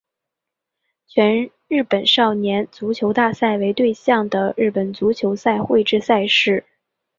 全日本少年足球大赛为对象的日本足球赛会制赛事。